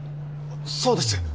そうです。